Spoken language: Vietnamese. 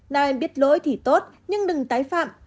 nam em biết lỗi thì tốt nhưng đừng tái phạm